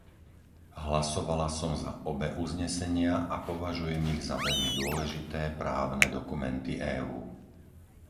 Hlasovala som za obe uznesenia a považujem ich za veľmi dôležité právne dokumenty EÚ.